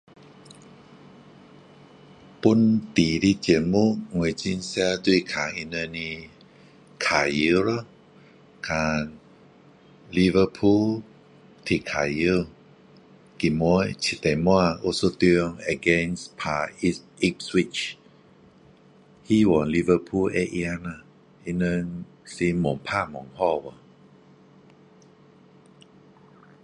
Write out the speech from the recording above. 本地的节目我很常就是看他们的脚球咯看 Liverpool 踢脚球今晚有一场 against 打 east switch 希望 Liverpool 会赢啦他们是越打越好掉